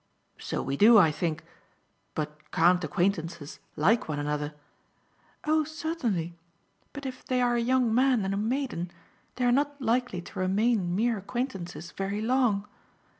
"So we do, I think. But can't acquaintances like one another?" "Oh, certainly; but if they are a young man and a maiden they are not likely to remain mere acquaintances very long.